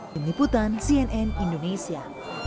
pengiputan cnn indonesia